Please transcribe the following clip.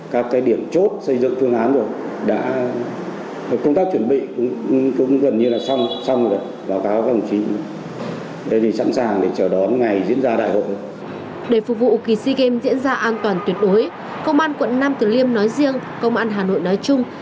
các điểm chốt xây dựng phương án rồi công an hà nội nói riêng